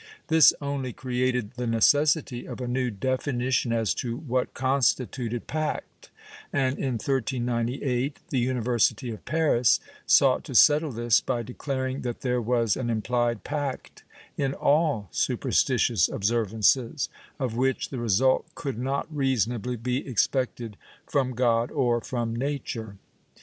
This only created the necessity of a new definition as to what constituted pact and, in 1398, the Uni versity of Paris sought to settle this by declaring that there was an imphed pact in all superstitious observances, of which the result could not reasonably be expected from God or from nature.